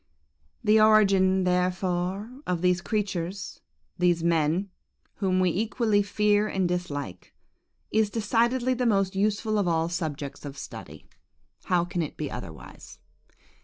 "The origin, therefore, of these creatures,–these men,–whom we equally fear and dislike, is decidedly the most useful of all subjects of study. How can it be otherwise?